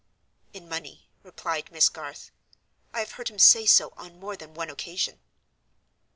"In money," replied Miss Garth. "I have heard him say so on more than one occasion."